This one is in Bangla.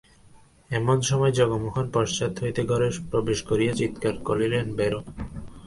এমন সময় জগমোহন পশ্চাৎ হইতে ঘরে প্রবেশ করিয়া চীৎকার করিলেন, বেরো!